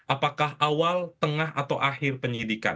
apakah awal tengah atau akhir penyidikan